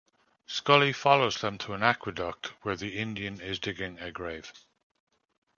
Scully follows them to an aqueduct where the Indian is digging a grave.